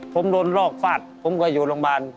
ผมโดนลอกฟาดผมก็อยู่โรงพยาบาล